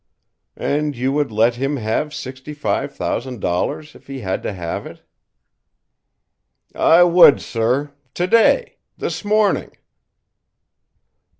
"And you would let him have sixty five thousand dollars if he had to have it?" "I would, sir! today, this morning."